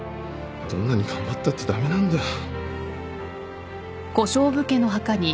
どんなに頑張ったって駄目なんだよ